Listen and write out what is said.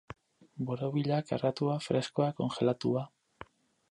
Borobila, karratua, freskoa, kongelatua.